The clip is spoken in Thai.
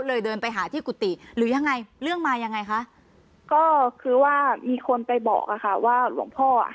เดินไปหาที่กุฏิหรือยังไงเรื่องมายังไงคะก็คือว่ามีคนไปบอกอะค่ะว่าหลวงพ่ออ่ะ